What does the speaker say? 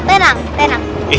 tenang tenang tenang